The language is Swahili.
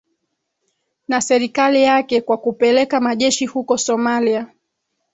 na serikali yake kwa kupeleka majeshi huko somalia